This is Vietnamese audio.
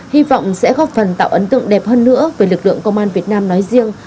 hy vọng sẽ góp phần tạo ấn tượng đẹp hơn nữa về lực lượng công an việt nam nói riêng